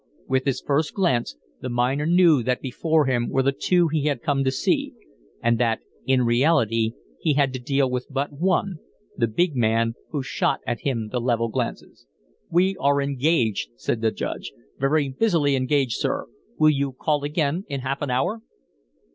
With his first glance the miner knew that before him were the two he had come to see, and that in reality he had to deal with but one, the big man who shot at him the level glances. "We are engaged," said the Judge, "very busily engaged, sir. Will you call again in half an hour?"